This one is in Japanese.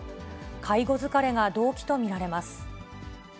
介護疲れが動機と見られます。